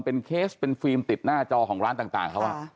เป็นเคสเป็นฟิล์มติดหน้าจอของร้านต่างเขา